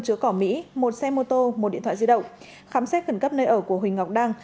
chứa cỏ mỹ một xe mô tô một điện thoại di động khám xét khẩn cấp nơi ở của huỳnh ngọc đăng